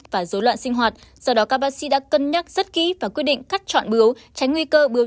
và dối loạn sinh hoạt do đó các bác sĩ đã cân nhắc rất kỹ và quyết định cắt chọn bướu tránh nguy cơ bứu